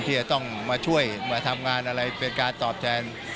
ที่จะต้องมาช่วยมาทำงานอะไรเป็นการตอบแทน